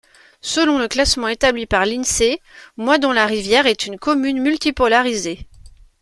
Selon le classement établi par l'Insee, Moisdon-la-Rivière est une commune multipolarisée.